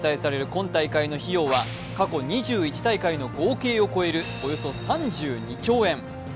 今大会の費用は、過去２１大会の合計を超えるおよそ３２兆円。